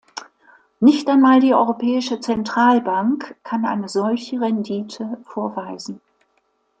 Nicht einmal die Europäische Zentralbank kann eine solche Rendite vorweisen.